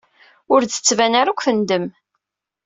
Ur d-tban ara akk tendem.